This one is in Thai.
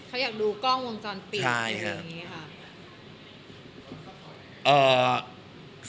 เขาอยากดูกล้องวงจรปิดอะไรอย่างนี้ค่ะ